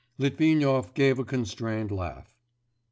Litvinov gave a constrained laugh.